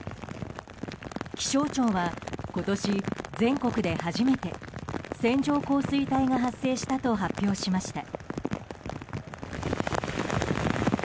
気象庁は今年全国で初めて線状降水帯が発生したと発表しました。